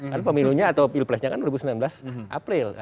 karena pemilunya atau pilpresnya kan dua ribu sembilan belas april